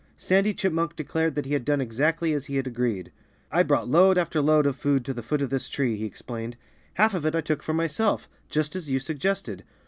Sandy Chipmunk declared that he had done exactly as he had agreed. "I brought load after load of food to the foot of this tree," he explained. "Half of it I took for myself just as you suggested.